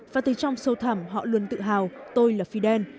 và từ trong sâu thẳm họ luôn tự hào tôi là fidel